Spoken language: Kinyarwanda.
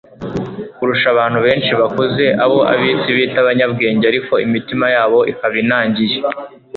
kurusha abantu benshi bakuze, abo ab'isi bita abanyabwenge ariko imitima yabo ikaba inangiye.